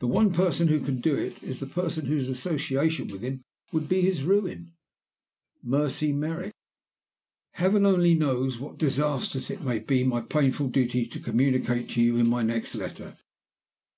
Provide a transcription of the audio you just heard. The one person who can do it is the person whose association with him would be his ruin Mercy Merrick. Heaven only knows what disasters it may be my painful duty to communicate to you in my next letter!